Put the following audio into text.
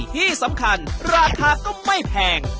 ที่สำคัญราคาก็ไม่แพง